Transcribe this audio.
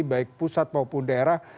baik pusat maupun daerah